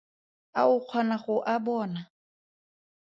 A o kgona go a bona?